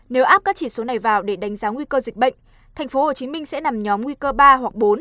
nếu áp các chỉ số này vào để đánh giá nguy cơ dịch bệnh tp hcm sẽ nằm nhóm nguy cơ ba hoặc bốn